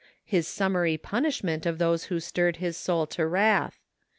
His summary punishment of those who stirred his soul to wrath.